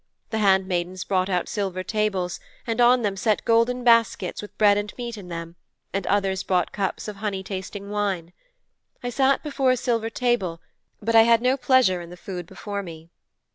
The handmaidens brought out silver tables, and on them set golden baskets with bread and meat in them, and others brought cups of honey tasting wine. I sat before a silver table but I had no pleasure in the food before me.'